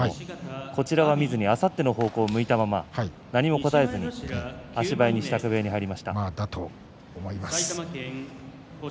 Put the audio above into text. こちらは見ずにあさっての方向を向いたまま何も答えずに支度部屋に行きました。